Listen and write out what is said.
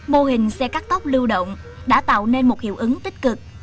mô hình xe cắt tóc lưu động đã tạo nên một hiệu ứng tích cực